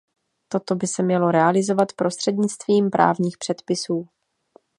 Toto by se mělo realizovat prostřednictvím právních předpisů.